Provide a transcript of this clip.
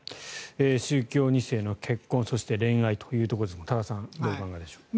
宗教２世の結婚そして恋愛ですが多田さんどうお考えでしょうか。